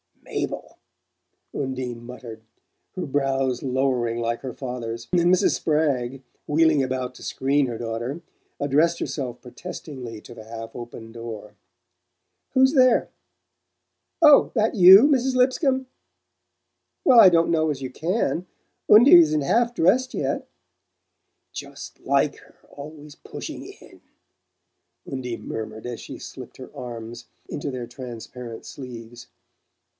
"Mabel!" Undine muttered, her brows lowering like her father's; and Mrs. Spragg, wheeling about to screen her daughter, addressed herself protestingly to the half open door. "Who's there? Oh, that YOU, Mrs. Lipscomb? Well, I don't know as you CAN Undie isn't half dressed yet " "Just like her always pushing in!" Undine murmured as she slipped her arms into their transparent sleeves.